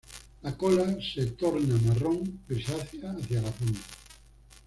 La cola se torna marrón grisácea hacia la punta.